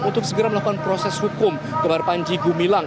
untuk segera melakukan proses hukum kepada panji gumilang